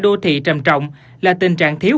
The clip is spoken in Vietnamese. đô thị trầm trọng là tình trạng thiếu